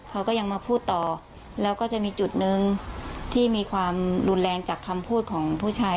เขาก็ยังมาพูดต่อแล้วก็จะมีจุดหนึ่งที่มีความรุนแรงจากคำพูดของผู้ชาย